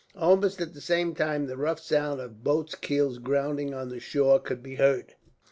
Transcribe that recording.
Almost at the same time the rough sound of boats' keels grounding on the shore could be heard.